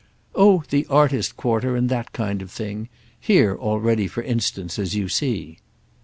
"Oh the artist quarter and that kind of thing; here already, for instance, as you see."